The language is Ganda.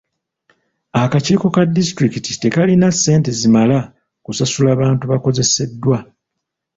Akakiiko ka disitulikiti tekalina ssente zimala kusasula bantu bakozeseddwa.